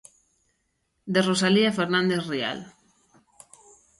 De Rosalía Fernández Rial.